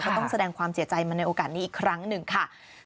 ต้องแสดงความเสียใจมาในโอกาสนี้อีกครั้งหนึ่งค่ะ